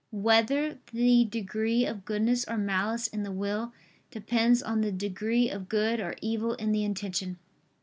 8] Whether the Degree of Goodness or Malice in the Will Depends on the Degree of Good or Evil in the Intention?